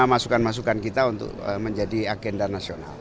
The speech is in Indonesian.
masukan masukan kita untuk menjadi agenda nasional